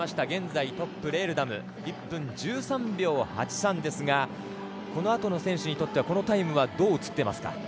現在トップ、レールダム１分１３秒８３ですがこのあとの選手にとってはこのタイムはどう映ってますか。